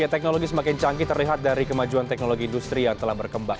teknologi semakin canggih terlihat dari kemajuan teknologi industri yang telah berkembang